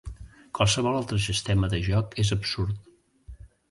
Qualsevol altre sistema de joc és absurd.